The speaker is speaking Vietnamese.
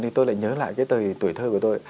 thì tôi lại nhớ lại cái thời tuổi thơ của tôi